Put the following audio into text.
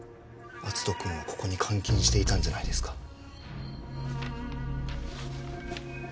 篤斗君をここに監禁していたんじゃないですか？